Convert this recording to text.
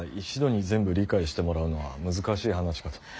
一度に全部理解してもらうのは難しい話かと。